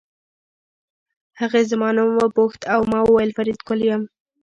هغې زما نوم وپوښت او ما وویل فریدګل یم